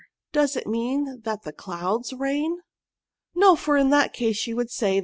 Does it mean that the clouds rain?" " No ; for in that case you would say, the!